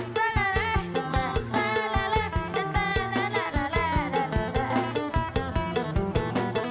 สนุนโดยอีซุสเอกสิทธิ์แห่งความสุข